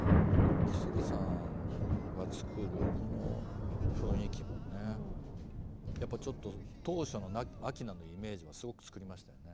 来生さんが作るこの雰囲気もねやっぱちょっと当初の明菜のイメージをすごく作りましたよね。